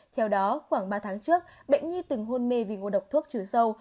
theo đó khoảng ba tháng trước bệnh nhi từng hôn mê vì ngô độc thuốc chứa sâu